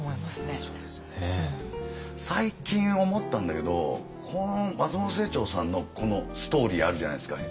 最近思ったんだけどこの松本清張さんのこのストーリーあるじゃないですか。